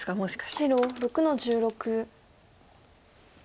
白６の十六。